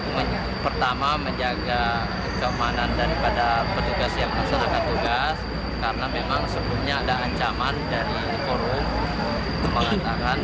mengatakan bahwa apabila petugas dan bpn melakukan penderbangan